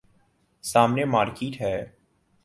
سامنے مارکیٹ ہے۔